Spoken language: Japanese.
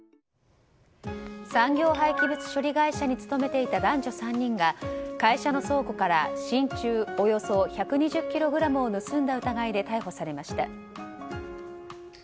産業廃棄物処理会社に勤めていた男女３人が会社の倉庫から真鍮およそ１２０ｋｇを盗んだ疑いで逮捕されました。